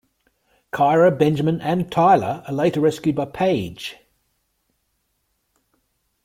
Kyra, Benjamin, and Tyler are later rescued by Paige.